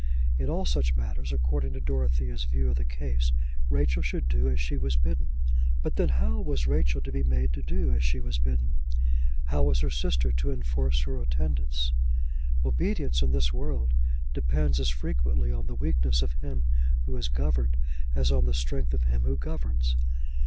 In all such matters, according to Dorothea's view of the case, Rachel should do as she was bidden. But then how was Rachel to be made to do as she was bidden? How was her sister to enforce her attendance? Obedience in this world depends as frequently on the weakness of him who is governed as on the strength of him who governs.